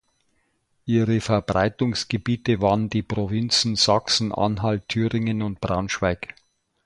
Ihre Verbreitungsgebiete waren die Provinzen Sachsen, Anhalt, Thüringen und Braunschweig.